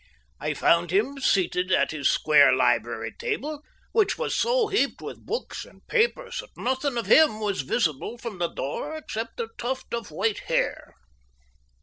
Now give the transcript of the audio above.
I found him seated at his square library table, which was so heaped with books and papers that nothing of him was visible from the door except a tuft of white hair.